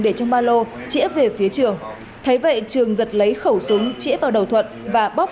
đặt vào lô trĩa về phía trường thấy vậy trường giật lấy khẩu súng trĩa vào đầu thuận và bóp